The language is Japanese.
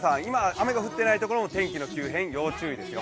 雨の降ってないところも天気の急変、要注意ですよ。